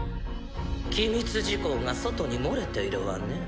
機密事項が外に漏れているわね。